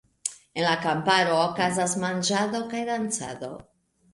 En la kamparo okazas manĝado kaj dancado.